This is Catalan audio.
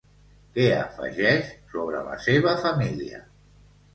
Què afegeix sobre la seva família?